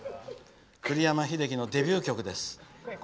栗山英樹のデビュー曲です。